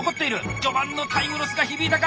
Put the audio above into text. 序盤のタイムロスが響いたか？